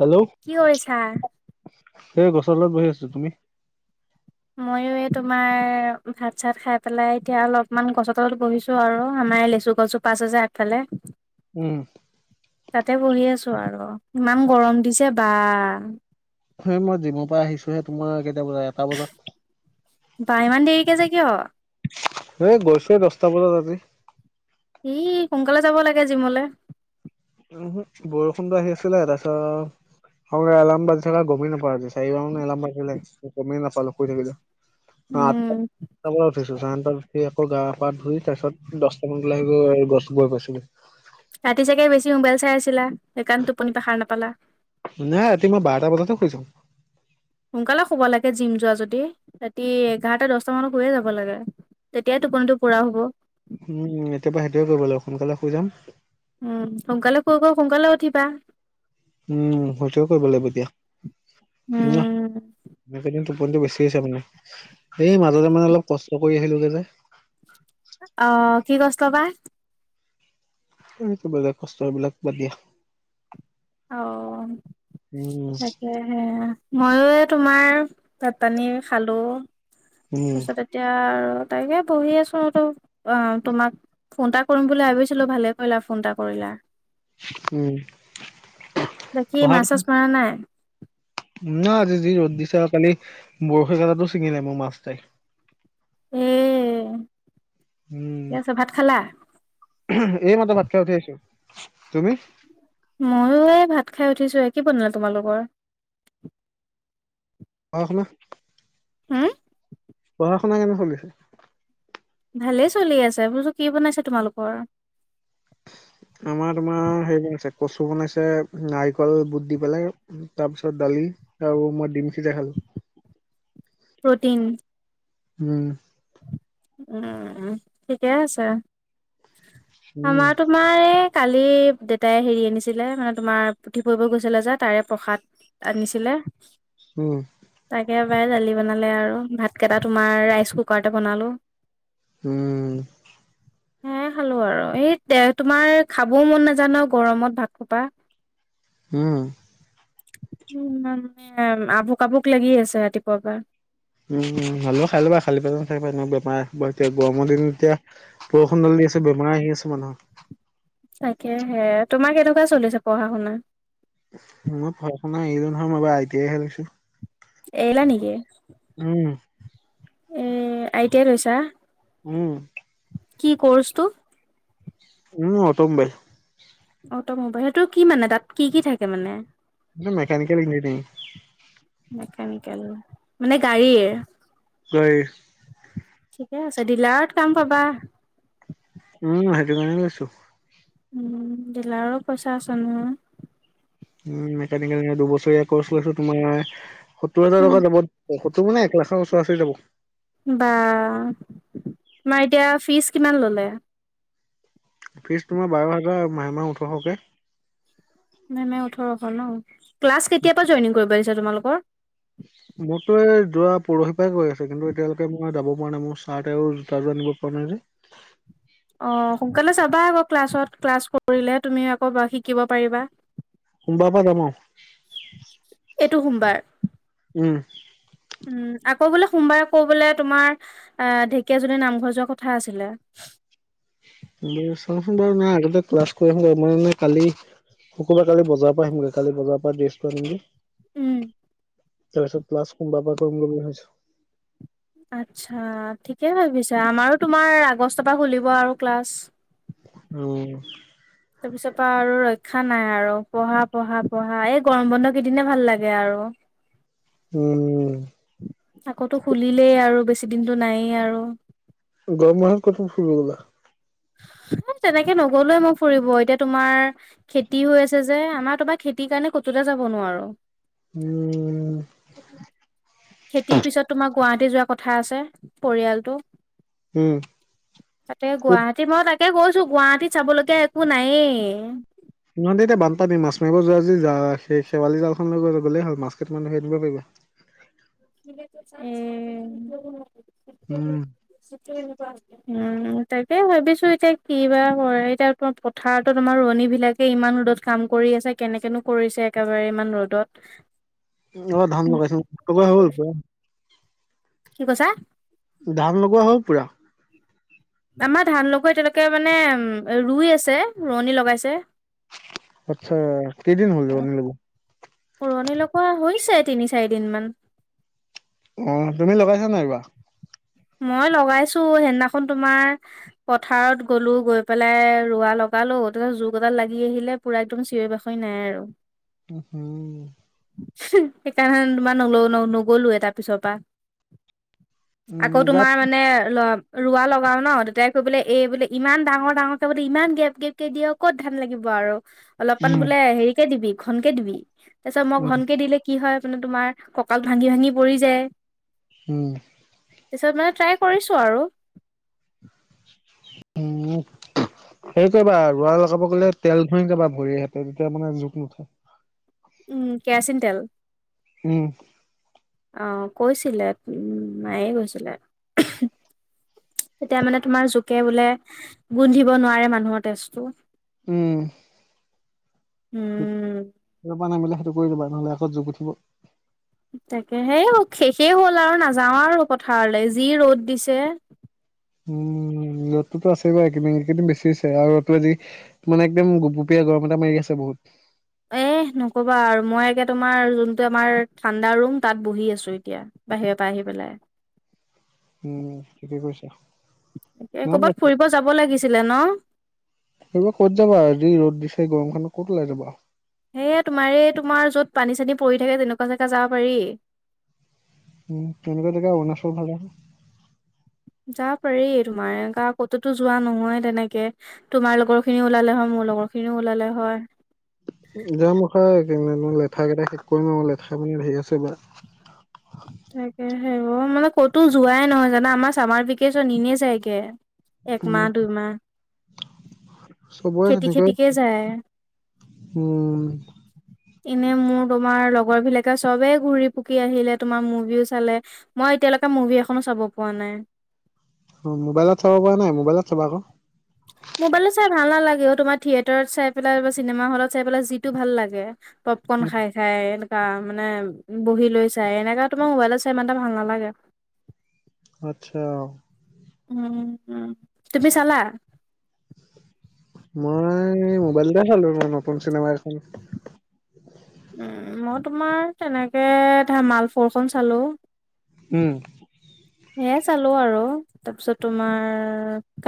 Hello কি কৰিছা? এই গছৰত তলত বহি আছোঁ। তুমি? মইয়ো এই তোমাৰ ভাত চাত খাই পেলাই এতিয়া অলপমান গছ তলত বহিছোঁ আৰু আমাৰ এই লেচু গছজোপা আছে যে আগফালে। উম। তাতে বহি আছোঁ আৰু ইমান গৰম দিছে বা। হয়, মই জিমৰপৰা আহিছোহে, তোমাৰ কেইটা বজাত এটা বজাত বা ইমান দেৰিকে যে কিয়? এই গৈছোঁ দছটা বজাত আজি। উম, সোনকালে যাব লাগে জিমলে। উম হু, বৰষুণটো আহি আছিলে তাৰপিছত সৰুকে এলাম বাজি থাকা গ'মেই নাপাওঁ, চাৰিবাৰ মন এলাম গমেই নাপালোঁ, শুই থাকিলোঁ। অহ' উম সাতটা বজাত উঠিছোঁ, চাৰে আঠটাত উঠি আকৌ গা পা ধুই তাৰপিছ দহটামান মানত ওলাই গৈ পাইছোগে। ৰাতি চাগে বেছি মোবাইল চাই আছিলা? সেইকাৰণ টোপনিৰপৰা খাৰ নাপালা। নাই ৰাতি মই বাৰটা বজাতে শুইছোঁ। সোনকালে শুব লাগে জিম যোৱা যদি, ৰাতি এঘাৰটা দহটা মানত শুইয়েই যাব লাগে। তেতিয়াই টোপনিটো পূৰা হ'ব। উম, এতিয়াৰপৰা সেইটোয়ে কৰিব লাগিব, সোনকালে শুই যাম। উম, সোনকালে শুই শুই সোনকালে উঠিবা। উম, সেইটোৱে কৰিব লাগিব দিয়া, উম। একেইদিন টোপনিটো বেছি হৈছে মানে। এই মাজতে মানে অলপ কষ্ট কৰি আহিলোগে যে। অ' কি কষ্ট বা? এই কিবা এটা কষ্ট এইবিলাক বাদ দিয়া। অ' উম তাকে। এই মইয়ো তোমাৰ ভাত পানী খালোঁ। উম তাৰপিছতে এতিয়া আৰু তাকে বহি আছোঁ আৰু তোমাক ফোন এটা কৰিম বুলি ভাবিছিলোঁ? ভালে কৰিলা ফোন এটা কৰিলা। উম। বাকী পঢ়া মাছ চাছ মাৰা নাই? না আজি যি ৰ'দ দিছে আৰু কালি বৰশী কাটাটো ছিঙিলে মোৰ মাছ এটাই। এই উম ঠিক আছে, ভাত খালা? এই মাত্ৰ ভাত খাই উঠি আহিছোঁ। তুমি? মইয়ো এই ভাত খাই উঠিছোঁহে। কি বনালে তোমালোকৰ? অ' শুনা। হ'ম। পঢ়া শুনা কেনে চলিছে? ভালেই চলি আছে। বুলো কি বনাইছে তোমালোকৰ? আমাৰ তোমাৰ হেৰি বনাইছে কচু বনাইছে নাৰিকল বুট দি পেলাই তাৰ পিছত দালি আৰু মই ডিমখিতে খালো প্ৰ'টিন উম উম ঠিকে আছে উম আমাৰতো তোমাৰে কালি দেউেতাই হেৰি আনিছিলে মানে তোমাৰ পুথি পঢ়িবলৈ গৈছিলে যে তাৰে প্ৰসাদ আনিছিলে উম তাকে পাই দালি বনালে আৰু ভাতকেইটা তোমাৰ ৰাইচ কুকাৰতে বনালো উম হে খালো আৰু এই তোমাৰ খাবও মন নাজাই ন গৰমত ভাত খোপা [unintelligible] উম উ মানে আভুক আভুক লাগি আছে ৰাতিপুৱাৰ পৰা উম হলেও খাই ল'বা খালি পেটত নাথাকিবা এনেও বেমাৰ এতিয়া গৰমৰ দিনত এতিয়া বৰষুণ ধালি আছে বেমাৰ আহি আছে মানুহৰ তাকেহে তোমাৰ কেনেকুৱা চলিছে পঢ়া শুনা? মই পঢ়া শুনা এৰিলোঁ নহয় মই বাৰ আই টি আই হে লৈছোঁ। এৰিলা নেকি? উম, এ আইতিয়াই লৈছা? উম কি কৰ্চটো মোৰ অটমোবাইল। অটমোবাইল সেইটো কি মানে তাত কি কি থাকে মানে? সেই মেকানিকেল ইঞ্জিনিয়াৰিং মেকানিকেল মানে গাড়ীৰ। হয় ঠিকে আছে দিলাৰত কাম পাবা। উম সেইটো কাৰণে লৈছোঁ। উম দিলাৰৰ পইচা আছে নহয় উ মেকানিকেল দুবছৰীয়া কৰ্চ লৈছো তোমাৰ সত্তৰ হাজাৰ টকা যাব। সত্তৰ মানে এক লাখৰ ওচৰা ওচৰি যাব। বা তোমাৰ এতিয়া ফিজ কিমান ল'লে? ফিজ তোমাৰ বাৰ হাজাৰ আৰু মাহে মাহ ওঠৰশকে। মাহে মাহে ওঠৰশ ন ক্লাছ কেতিয়া পৰা জইনিং কৰিব আহিছা তোমালোকৰ? মোৰতো এ যোৱা পৰহি পৰাই গৈ আছে কিন্তু এতিয়ালৈকে মই যাব পৰা নাই মোৰ চাৰট আৰু জোতাযোৰ আনিব অনাৰে অ সোনকালে যাবা আকৌ ক্লাছত ক্লাছ কৰিলে তুমি আকৌ শিকিব পাৰিবা। সোমবাৰৰ পৰা যাম আও এইটো সোমবাৰ। উম উম আকৌ বোলে সোমবাৰে আকৌ বোলে তোমাৰ অ ঢেকীয়াজুলীৰ নামঘৰ যোৱা কথা আছিলে। চাওঁচোন বাৰু নাই আগতে ক্লাছ কৰিব কালি সকলো কালি বজাৰ পৰা আহিমগৈ কালি বজাৰ পৰা ডেছ আ আহমগৈ উম তাৰ পিছত ক্লাছ সোমবাৰৰ পৰা কৰিম বুলি ভাবিছোঁ। আচ্ছা ঠিকে ভাবিছা আমাৰো তোমাৰ আগষ্টৰ পৰা খুলিব আৰু ক্লাছ উম তাৰপিছৰ পৰা আৰু ৰক্ষা নাই আৰু, পঢ়া পঢ়া পঢ়া। এই গৰম বন্ধ কেইদিনে ভাল লাগে আৰু। [unintelligible] উম। আকৌটো খুলিলেই আৰু বেছি দিনটো নাইেই আৰু। গৰমাহত কত কত ফুৰিব গলা? মই তেনেকে নগলোয়ে মই ফুৰিব এতিয়া তোমাৰ খেতিও আছে যে, আমাৰতোবা খেতিৰ কাৰণে ক'তোয়ে যাব নোৱাৰোঁ। উম। উম। খেতিৰ পিছত তোমাৰ গুৱাহাটী যোৱা কথা আছে পৰিয়ালটো। উম। তাতে গুৱাহাটী মই তাকে গৈছো গুৱাহাটীত চাবলগীয়া একো নাইয়ে। ইমান দিনে বানপান মাছ মাৰিব যোৱা যদি যোৱা সেই শেৱালি জালখন লৈ গল গ'লেই হল মাছ কেইটামান ধৰি আনিব পাৰিব। উম। উম। চিতে নোপোৱা হ'ল। উম তাকে ভাবিছো এতিয়া কি বা কৰে এতিয়া তোমাৰ পথাৰত তোমাৰ ৰোৱনী বিলাক সি ইমান ৰ'দত কাম কৰি আছে, কেনেকেনো কৰিছে একেবাৰে ইমান ৰ'দত। [inaudible] কি কৈছা? ধান লগোৱা হ'ল পুৰা? আমাৰ ধান লগৰ এতিয়ালকে মানে ৰুই আছে, ৰোৱনী লগাইছে। আচ্ছা কেইদিন হল ৰোৱনী লগোৱা? ৰুৱণি লগোৱা হৈছে তিনি চাৰি দিন মান। অঁ তুমি লগাইছা নাই এইবাৰ? মই লগাইছো সেইদিনাখন তোমাৰ পথাৰত গ'লো গৈ পেলাই ৰোৱা লগালো ত জুক এডাল লাগি আহিলে। পুৰা একদম চিঞৰি-বাখৰি নাই আৰু উম হু। সেইকাৰণে তোমাৰ নলও ন নগলোৱে তাৰ পিছৰ পৰা। উম আকৌ গাত তোমাৰ মানে ল ৰোৱা লগাও ন, দেতাই গৈ পেলাই এই বোলে ইমান ডাঙৰ ডাঙৰকে বোলে ইমান গেফ-গেফকে দিঅ ক'ত ধান লাগিব আৰু অলপমান উম বোলে হেৰিকে দিবি ঘনকে দিবি। তাৰপিছত মই উম ঘনকে দিলে কি হয় মানে তোমাৰ কঁকাল ভাঙি ভাঙি পৰি যায়। উম। পিছত মানে ট্ৰাই কৰিছো আৰু। উম। সেই কৰিবা ৰোৱা লগাব গ'লে তেল ঘঁহি যাবা ভৰিহঁতে তেতিয়া মানে জোক নুঠে। উম, কেৰাচিন তেল। উম। অ' কৈছিলে উম মায়ে কৈছিলে। তেতিয়া মানে তোমাৰ জোকে বোলে গোন্ধিব নোৱাৰে মানুহৰ তেজটো। উম। উম সেইটোপা নামিলে সেইটো কৰি দিবা নহ'লে আকৌ জোক উঠিব। তাকে, সেই শেষেই হ'ল আৰু নাযাওঁ আৰু পথাৰলৈ যি ৰ'দ দিছে। উম, ৰ'দটো আছেই বাৰু এইকেইদিন এইকেইদিন বেছি হৈছে আৰু ৰ'দটো আজি মানে একদম গোপগোপিয়া গৰম এটা মাৰি আছে বহুত। এ নকবা আৰু মই এতিয়া তোমাৰ যোনটো আমাৰ ঠাণ্ডা ৰুম তাত বহি আছো এতিয়া। বাহিৰৰ পৰা আহি পেলাই। উম, ঠিকে কৈছা। তাকে, নহয় কৰ'বাত ফুৰিব যাব লাগিছিলে ন'। এইবাৰ ক'ত যাবা আৰু। যি ৰ'দ দিছে, গৰম খনত ক'ত ওলাই যাবা। সেয়া তোমাৰাৰে তোমাৰ যত পানী চানী পৰি থাকে তেনেকুৱা জেগাত যাব পাৰি উম' তেনেকুৱা জেগা অৰুণাচল ফালেহে- যাব পাৰি তোমাৰ এনেকুৱা ক'তো তো যোৱা নহয় তেনেকে তোমাৰ লগৰ খিনিও ওলালে হয়, মোৰ লগৰ খিনিও ওলালে হয়। যাম ৰখা লেঠা কেইটা শেষ কৰিম আৰু লেঠা বোৰ ধেৰ আছে এই বাৰ তাকেহে অও' মানে ক'তো যোৱাই নহয় জানা, আমাৰ চামাৰ ভেকেচন এনেই যায়গে। একমাহ, উম, দুই মাহ। চবৰেই তেনেকৈ খেতিকে যায়। উম [inaudible] এনেই মোৰ তোমাৰ লগৰ বিলাকে চবেই ঘূৰি পুকি আহিলে তোমাৰ মোবিও চালে মই এতিয়ালৈকে মুভি এখনো চাব পোৱা নাই অ মোবাইল চাব পাৰা নাই মোবাইলত চাবা আকৌ মোবাইলট চাই ভাল নালাগে অও' তোমাৰ থিয়েটাৰত চাই পেলাই বা চিনেমা হলত চাই পেলাই যিটো ভাল লাগে। পপকৰ্ন উম, খাই খায় এনেকা মানে বহি লৈ চাই এনেকা তোমাৰ মোবাইলত চাই ইমান এটা ভাল নালাগে আতচ্ছা। উম উম তুমি চালা মই মানে এই মোবাইলতে চালো মই নতুন চিনেমাগেখন। উম মই তোমাৰ তেনেকে ধামাল ফৰ খন চালো উম সেয়াই চালো আৰু তাৰপিছত তোমাৰ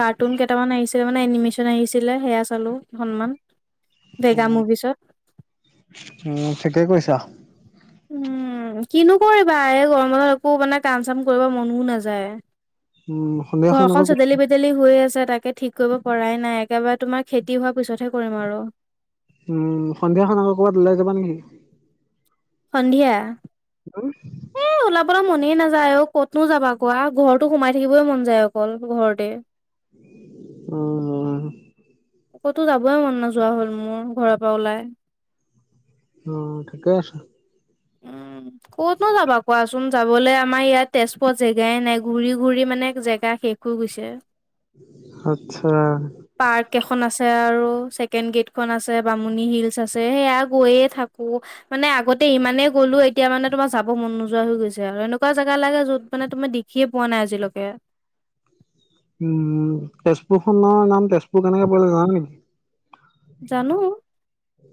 কাৰ্টুন কেইটামান আহিছিলে মানে এনিমেচন আহিছিলে সেয়া চালো হনুমান। ভেগা উম, মুভিচত। উম, ঠিকে কৈছা। উম কিনো কৰিবা এই গৰমত একো মানে কাম চাম কৰিব মনো নাযায় উম সন্ধিয়াখন আকৌ ঘৰখন চেদেলি- ভেদেলি হৈ আছে। তাকে ঠিক কৰিব পৰাই নাই একেবাৰে তোমাৰ খেতি হোৱাৰ পিছতহে কৰিম আৰু। উম সন্ধিয়াখন আকৌ ক'ৰবাত ওলাই যাবা নেকি সন্ধিয়া। উম। এ ওলাবলৈ মনে নাযায় আউ ক'তনো যাবা কোৱা ঘৰতো সোমাই থাকিবই মন যায় অকল, ঘৰতেই। অ', ক'তো যাবয়ে মন নোযোৱা হ'ল মোৰ ঘৰৰ পৰা ওলাই। অ, ঠিকে আছে। উম। ক'তনো যাবা কোৱাচোন যাবলে আমাৰ ইয়াত তেজপুৰত জেগায়ে নাই ঘূৰি ঘূৰি মানে জেগা শেষ। কয় গৈছে। আচ্ছা। পাৰ্ক এখন আছে আৰু ছেকেণ্ড গেটখন আছে বামুণী হিলচ আছে সেয়া গৈয়ে থাকো। মানে আগতে ইমানে গ'লো এতিয়া মানে তোমাৰ যাব মন নোযোৱা হৈ গৈছে আৰু এনেকা জেগা লাগে যত মানে তুমি দেখিয়ে পোৱা নাই আজিলৈকে। উম তেজপুৰ খনৰ নাম, তেজপুৰ কেনেকে পৰিলে জানা নেকি? জানো,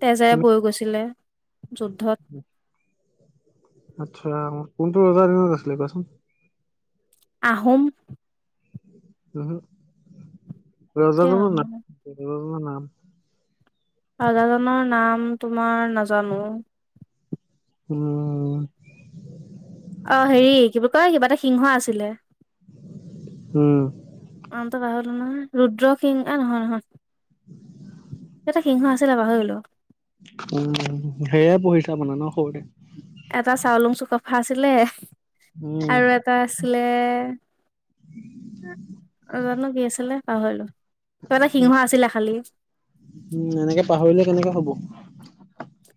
তেজেৰে বৈ গৈছিলে যুদ্ধত। আচ্ছা কোনটো ৰজাৰ দিনত আছিলে কোৱাচোন? আহোম উমহু, কিয় ৰজাজনৰ আহোম নাম ৰজাজনৰ নাম ৰজাজনৰ নাম তোমাৰ নাজানো। [inaudible] অঁ হেৰি কি বুলি কয় কিবা এটা সিংহ আছিলে। উম। নামতো পাহৰিলো নহয়, ৰুদ্ৰ সিং এ নহয় নহয়। কিবা এটা সিংহ আছিলে পাহৰিলো। উম, সেয়াই পঢ়িছা মানে ন সৰুতে। এটা চাউলুং চুকাফা আছিলে, উম আৰু এটা আছিলে অ জানো কি আছিলে পাহৰিলো, কিবা এটা সিংহ আছিলে খালি। উম এনেকে পাহৰিলে কেনেকে হব।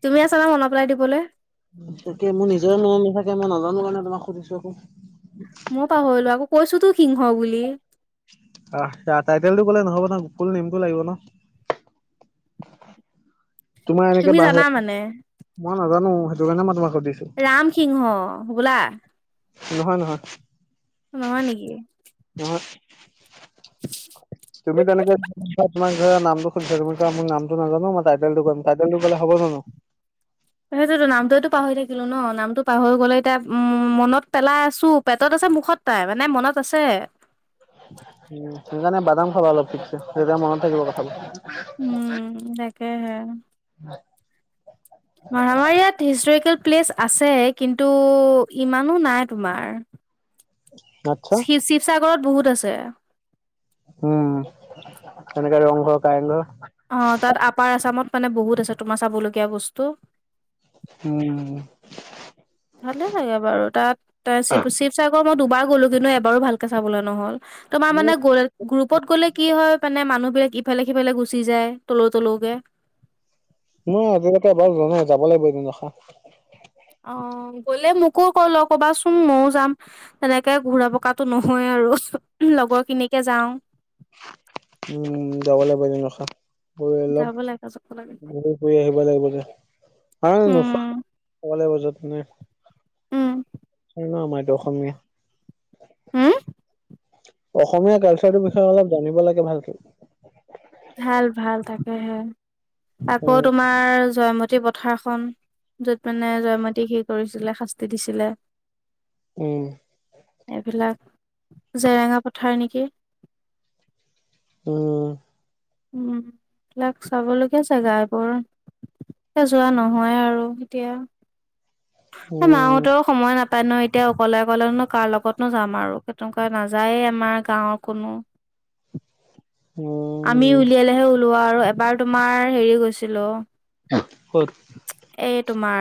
তুমি আছা নহয় মনত পেলাই দিবলে। তাকেই মোৰ নিজৰে মনত নাথাকে, মই নাজানো কাৰণে তোমাক সুধিছো আক। ময়ো পাহৰিলো, আকৌ কৈছো তো সিংহ বুলি। আহ, আ টাইটেলটো ক'লে নহ'ব নহয়, ফোল নেইমটো লাগিব ন। তোমাৰ এনেকে তুমি বাহে, জানা মানে মই নাজানো সেইটো কাৰণে মই তোমাক সুধিছো। ৰামসিংহ হ'বলা। নহয় নহয়। নহয় নেকি? নহয়। [inaudible] তুমি তেনেকে পিছত। তোমাক ধৰা নামটো সুধিছে, ছাৰ মোৰ নামটো নাজানো মই টাইটেলটো কম, টাইটেলটো কলে হ'ব জানো। সেইটোৱেতো নামটোৱেটো পাহৰি থাকিলো ন, নামতটো পাহৰি গ'লে এতিয়া উম মনত পেলাই আছো পেটত আছে মুখত তাই মানে মনত আছে। উম, সেইকাৰণে বাদাম খাবা অলপ ঠিকছে, তেতিয়া মনত থাকিব কথাবোৰ। উম তাকেহে। অঁ আমাৰ ইয়াত হিষ্টৰিকেল প্লেচ আছে কিন্তু ইমানো নাই তোমাৰ। আচ্ছা শিৱ শিৱসাগৰত বহুত আছে। উম তেনেকে ৰংঘৰ, কাৰেংঘৰ। অঁ তাত আপাৰ আছামত মানে বহুত আছে তোমাৰ চাবলগীয়া বস্তু। উম। ভালে লাগে বাৰু তাত, শিৱ শিৱসাগৰ মই দুবাৰ গ'লো কিন্তু এবাৰো ভালকে চাবলে নহ'ল। তোমাৰ মোৰ মানে গৈ গ্ৰুপত গ'লে কি হয় মানে মানুহ বিলাক ইফালে সিফালে গুচি যায় তলৌ তলৌকে। মই আজিলেকে এবাৰো যোৱা নাই যাব লাগিব এদিন ৰখা। অঁ, গলে মোকো কলো কবাচোন ময়ো যাম। তেনেকে ঘূৰা পকাটো নহয় আৰু লগৰ খিনিকে যাওঁ। উম যাব লাগিব এদিন ৰখা গৈ অলপ যাব লাগে যাব লাগে। ঘূৰিম। ফুৰি আহিব লাগিব দিয়া উম [unintelligible] উম এনেও আমাৰ এইটো অসমীয়া হা অসমীয়া কালচাৰটোৰ বিষয়ে অলপ জানিব লাগে ভালকে। ভাল ভাল তাকেহে আকৌ উম তোমাৰ জয়মতী পথাৰখন য'ত মানে জয়মতীক হেৰি কৰিছিলে শাস্তি দিছিলে। উম এইবিলাক জেৰেঙা পথাৰ নেকি। উম। উম এইবিলাক চাবলগীয়া জাগা এইবোৰ এতিয়া যোৱা নহয় আৰু এতিয়া উম মাহতৰ সময় নাপায় ন এতিয়া অকলে অকলে নো কাৰ লগতনো যাম আৰু তেনেকুৱা নাযায়ে আমাৰ গাঁৱৰ কোনো আমি উম উলিয়ালেহে ওলোৱা আৰু এবাৰ তোমাৰ হেৰি গৈছিলো ক'ত এই তোমাৰ-